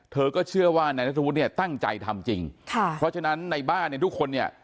เธอก็เชื่อว่านายนัทธวุฒิเนี่ยตั้งใจทำจริงค่ะเพราะฉะนั้นในบ้านเนี่ยทุกคนเนี่ย